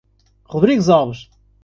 Rodrigues Alves